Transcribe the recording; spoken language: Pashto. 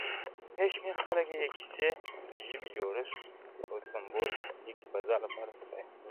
يو شمېر خلک يې کيسې د ژبي جوړښت او سمبوليکي فضا له پاره ستايي,